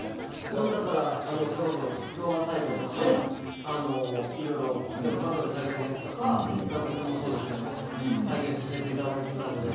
それこそ動画サイトとかでバトルされているやつとか楽曲もそうですけど拝見させていただいていたので。